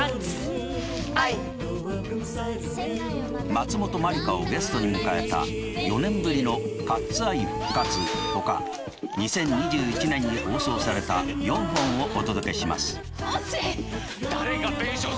松本まりかをゲストに迎えた４年ぶりのカッツ・アイ復活ほか２０２１年に放送された４本をお届けします。